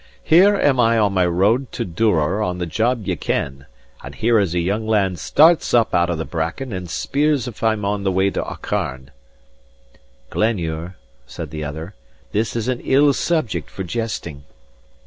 Here am I on my road to Duror on the job ye ken; and here is a young lad starts up out of the bracken, and speers if I am on the way to Aucharn." "Glenure," said the other, "this is an ill subject for jesting."